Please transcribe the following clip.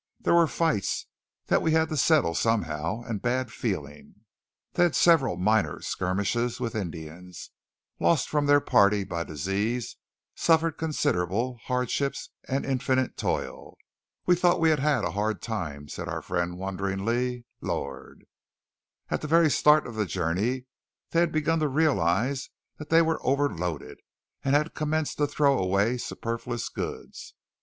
There were fights, that we had to settle somehow, and bad feeling." They had several minor skirmishes with Indians, lost from their party by disease, suffered considerable hardships and infinite toil. "We thought we'd had a hard time," said our friend wonderingly. "Lord!" At the very start of the journey they had begun to realize that they were overloaded, and had commenced to throw away superfluous goods.